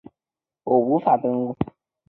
我无法登入